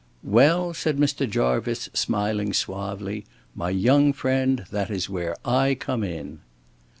"Well," said Mr. Jarvice, smiling suavely, "my young friend, that is where I come in."